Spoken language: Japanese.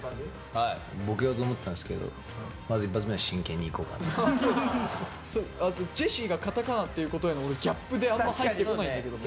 はいボケようと思ったんですけどジェシーがカタカナっていうことへの俺ギャップであんま入ってこないんだけども。